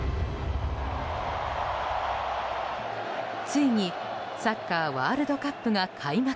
ついにサッカーワールドカップが開幕！